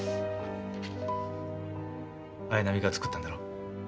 綾波が作ったんだろ？